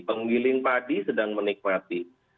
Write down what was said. pengwilin padi sedang menikmati